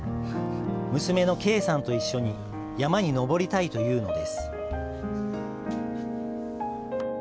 娘の慧さんと一緒に山に登りたいというのです。